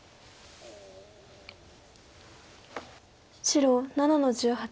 白７の十八。